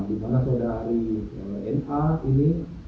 dimana saudari na ini